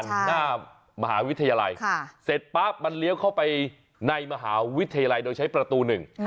หน้ามหาวิทยาลัยเสร็จปั๊บมันเลี้ยวเข้าไปในมหาวิทยาลัยโดยใช้ประตูหนึ่ง